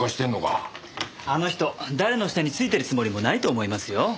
あの人誰の下についてるつもりもないと思いますよ。